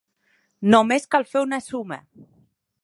Només cal fer una suma.